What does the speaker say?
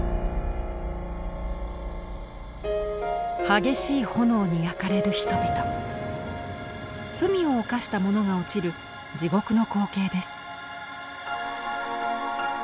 激しい炎に焼かれる人々罪を犯した者が落ちる地獄の光景です。